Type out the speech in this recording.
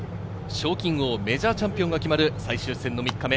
賞金王、メジャーチャンピオンが決まる最終戦の３日目。